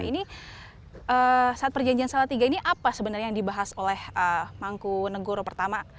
ini saat perjanjian salatiga ini apa sebenarnya yang dibahas oleh mangku negoro pertama